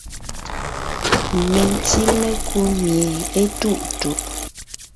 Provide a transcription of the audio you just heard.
Mentí mekú mie étuʼtuʼ.